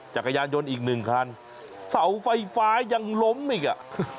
จักรยานยนต์อีกหนึ่งคันเสาไฟฟ้ายังล้มอีกอ่ะ